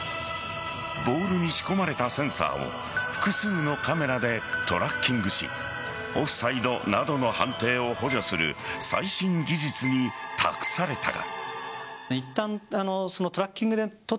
ボールに仕込まれたセンサーを複数のカメラでトラッキングしオフサイドなどの判定を補助する最新技術に託されたが。